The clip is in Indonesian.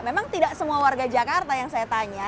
memang tidak semua warga jakarta yang saya tanya